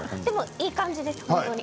いい感じです。